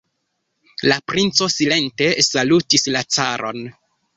La princo silente salutis la caron.